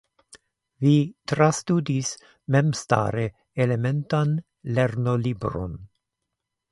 Vi trastudis memstare elementan lernolibron.